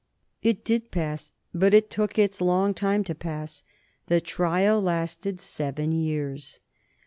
'" It did pass, but it took its long time to pass. The trial lasted seven years.